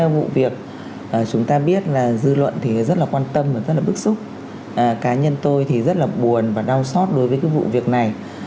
vụ việc chúng ta biết là dư luận rất quan tâm và rất bức xúc cá nhân tôi rất buồn và đau xót đối với vụ việc này